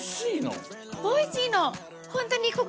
おいしいの！